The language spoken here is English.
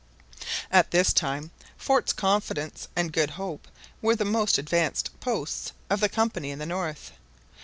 At this time Forts Confidence and Good Hope were the most advanced posts of the Company in the north.